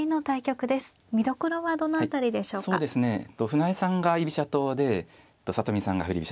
船江さんが居飛車党で里見さんが振り飛車